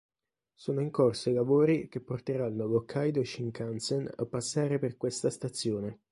Sono in corso i lavori che porteranno l'Hokkaidō Shinkansen a passare per questa stazione.